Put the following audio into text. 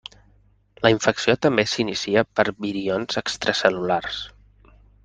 La infecció també s'inicia per virions extracel·lulars.